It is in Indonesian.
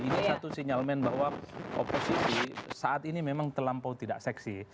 ini satu sinyalmen bahwa oposisi saat ini memang terlampau tidak seksi